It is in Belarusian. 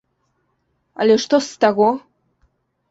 Але што з таго?